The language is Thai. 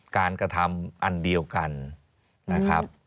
กระทำอันเดียวกันนะครับ